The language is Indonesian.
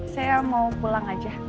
saya mau pulang aja